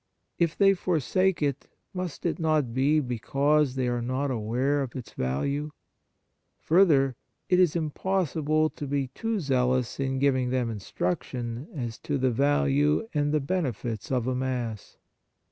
If they for sake it, must it not be because they are not aware of its value ? Further, it is impossible to be too zealous in giving them instruction as to the value and the benefits of a Mass.